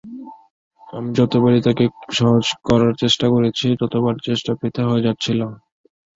আমি যতবারই তাঁকে সহজ করার চেষ্টা করছি, ততবারই চেষ্টা বৃথা হয়ে যাচ্ছিল।